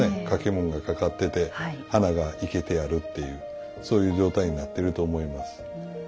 掛物がかかってて花が生けてあるっていうそういう状態になっていると思います。